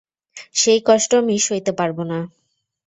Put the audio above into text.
সেই কষ্ট আমি সইতে পারব না।